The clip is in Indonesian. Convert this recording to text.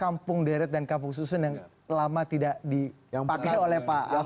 kampung deret dan kampung susun yang lama tidak dipakai oleh pak ahok